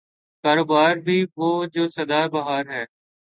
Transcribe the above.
کاروبار بھی وہ جو صدا بہار ہے۔